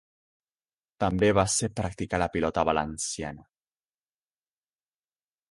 També va ser practicar la pilota valenciana.